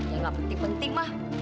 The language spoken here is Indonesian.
yang gak penting penting mah